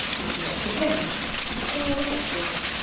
She knocked again. No one answered.